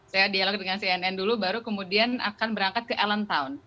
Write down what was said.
saya dialog dengan cnn dulu baru kemudian akan berangkat ke allentown